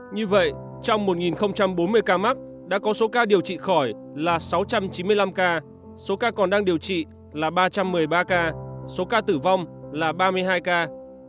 như vậy trong một bốn mươi ca mắc đã có số ca điều trị khỏi là sáu trăm chín mươi năm ca số ca còn đang điều trị là ba trăm một mươi ba ca số ca tử vong là ba mươi hai ca